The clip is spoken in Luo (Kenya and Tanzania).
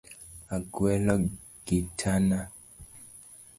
Agwelo gitana.